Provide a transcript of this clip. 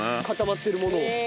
固まってるものを。